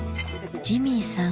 ジミーさん